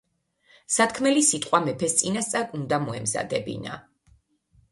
სათქმელი სიტყვა მეფეს წინასწარ უნდა მოემზადებინა.